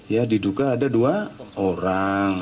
ya diduga ada dua orang